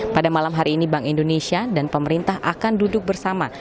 pada malam hari ini bank indonesia dan pemerintah akan duduk bersama